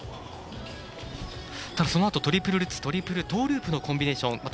そのあとトリプルルッツトリプルトーループのコンビネーション。